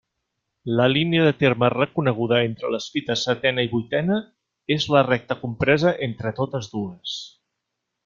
La línia de terme reconeguda entre les fites setena i vuitena és la recta compresa entre totes dues.